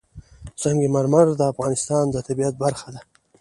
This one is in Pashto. سنگ مرمر د افغانستان د طبیعت برخه ده.